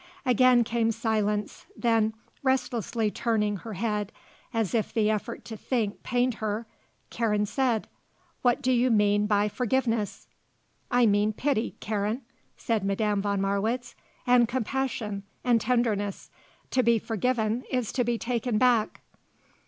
Again came silence; then, restlessly turning her head as if the effort to think pained her, Karen said, "What do you mean by forgiveness?" "I mean pity, Karen," said Madame von Marwitz. "And compassion, and tenderness. To be forgiven is to be taken back."